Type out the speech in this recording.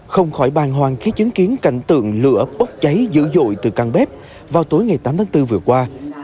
không khỏi bàng hoàng khi chứng kiến cảnh tượng lửa bốc cháy dữ dội từ căn bếp vào tối ngày tám tháng bốn vừa qua